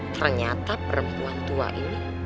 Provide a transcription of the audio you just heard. ternyata perempuan tua ini